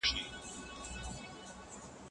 دا ډول وګړي غواړي تاريخ له سره وليکي.